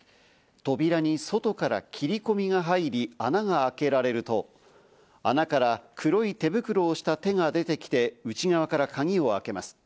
扉に外から切り込みが入り、穴が空けられると、穴から黒い手袋をした手が出てきて、内側から鍵を開けます。